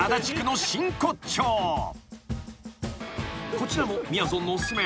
［こちらもみやぞんのお薦め］